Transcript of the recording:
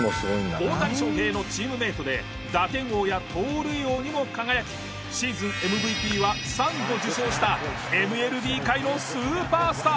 大谷翔平のチームメートで打点王や盗塁王にも輝きシーズンＭＶＰは３度受賞したＭＬＢ界のスーパースター。